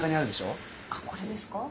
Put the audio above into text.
あこれですか？